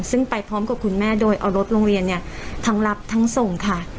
ซึ่งไปพร้อมกับคุณแม่โดยเอารถโรงเรียนเนี่ยทั้งรับทั้งส่งค่ะ